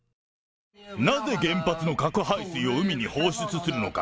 なぜ原発の核排水を海に放出するのか。